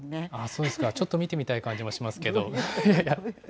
そうですか、ちょっと見てみたい感じもしますけど。